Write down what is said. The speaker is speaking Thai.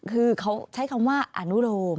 คือเขาใช้คำว่าอนุโลม